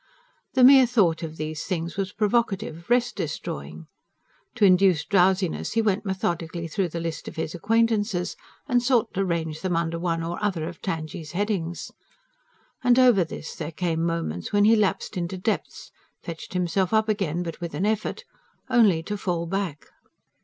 The mere thought of these things was provocative, rest destroying. To induce drowsiness he went methodically through the list of his acquaintances, and sought to range them under one or other of Tangye's headings. And over this there came moments when he lapsed into depths ... fetched himself up again but with an effort ... only to fall back....